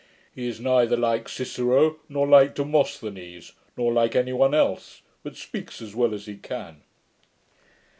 He is neither like Cicero, nor like Demosthenes, nor like any one else, but speaks as well as he can.'